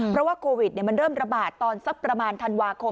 เพราะว่าโควิดมันเริ่มระบาดตอนสักประมาณธันวาคม